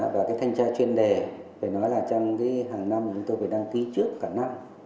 và cái thanh tra chuyên đề phải nói là trong cái hàng năm chúng tôi phải đăng ký trước cả năm